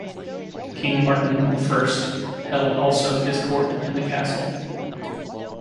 King Martin the First held also his court in the castle.